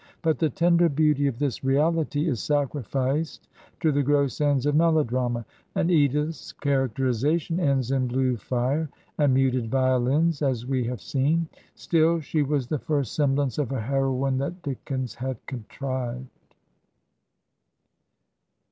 But the tender beauty of this reaUty is sacrificed to the gross ends of melodrama, and Edith's characterization ends in blue fire and muted violins, as we have seen. Still, she was the first semblfiuice of a heroine that Dickens had contrived.